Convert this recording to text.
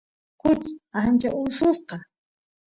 kuchi ancha ususqa